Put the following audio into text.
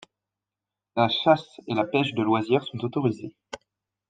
La chasse et la pêche de loisir sont autorisées.